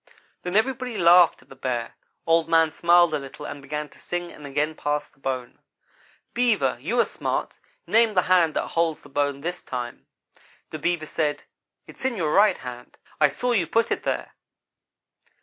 Then everybody laughed at the Bear. Old man smiled a little and began to sing and again pass the bone. "'Beaver, you are smart; name the hand that holds the bone this time.' "The Beaver said: 'It's in your right hand. I saw you put it there.'